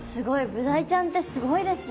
ブダイちゃんってすごいですね。